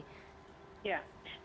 kesulitan adalah yang pertama belum sadar